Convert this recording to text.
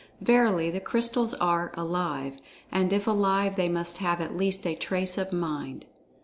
Verily the Crystals are "alive"—and if alive they must have at least a trace of "Mind."